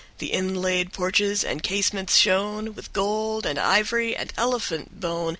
The inlaid porches and casements shone With gold and ivory and elephant bone.